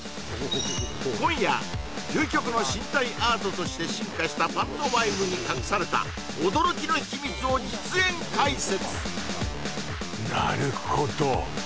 今夜究極の身体アートとして進化したパントマイムに隠された驚きの秘密を実演解説